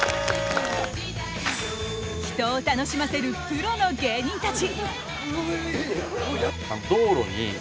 人を楽しませるプロの芸人たち。